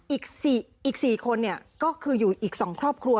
อีก๔คนก็คืออยู่อีก๒ครอบครัว